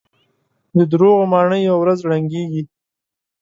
د دروغو ماڼۍ يوه ورځ ړنګېږي.